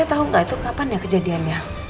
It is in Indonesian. tahu gak itu kapan ya kejadiannya